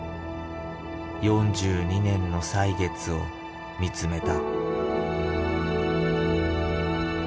４２年の歳月を見つめた。